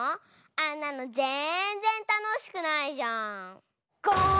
あんなのぜんぜんたのしくないじゃん！